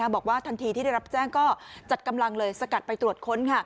บอกว่าทันทีที่ได้รับแจ้งก็จัดกำลังเลยสกัดไปตรวจค้น